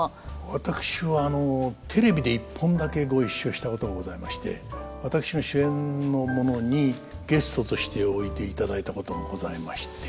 私はテレビで一本だけご一緒したことがございまして私の主演のものにゲストとしておいでいただいたことがございまして。